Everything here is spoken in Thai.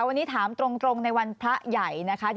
วันนี้ถามตรงในวันพระใหญ่นะคะ